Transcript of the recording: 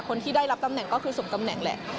คนที่ได้รับตำแหน่งก็คือส่งตำแหน่งแหละ